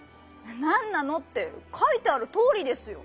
なんなの？ってかいてあるとおりですよ。